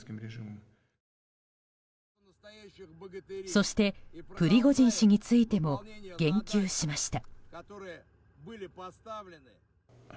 そしてプリゴジン氏についても言及しました。